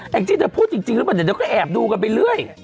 ได้ที่พูดจริงหรือเปล่าเนี่ยก็แอบดูกันไปเลย